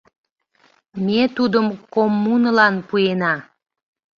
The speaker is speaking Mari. — Ме тудым коммунылан пуэна.